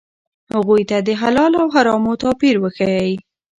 هغوی ته د حلال او حرامو توپیر وښایئ.